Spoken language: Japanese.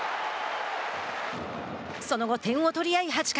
その後、点を取り合い８回。